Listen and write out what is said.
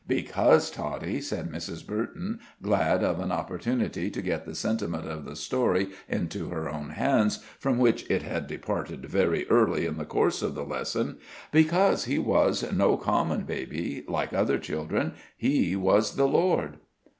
"Because, Toddie," said Mrs. Burton, glad of an opportunity to get the sentiment of the story into her own hands, from which it had departed very early in the course of the lesson "because He was no common baby, like other children. He was the Lord."